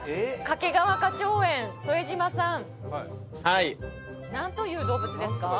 掛川花鳥園副島さんはい何という動物ですか？